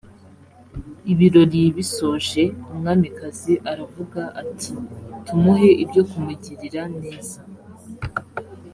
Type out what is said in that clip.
ibirori bisoje umwamikazi aravuga ati tumuhe ibyo kumugirira neza